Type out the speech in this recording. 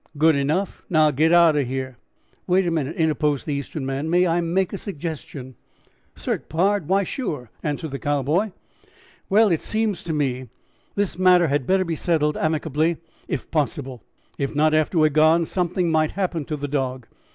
"Good enough! Now get out of here." "Wait a minute," interposed the Eastern man; "may I make a suggestion?" "Cert, pard, why, sure!" answered the Cowboy. "Well, it seems to me this matter had better be settled amicably if possible; if not, after we are gone something might happen to the dog.